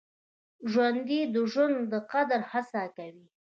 ژوندي د ژوند د قدر هڅه کوي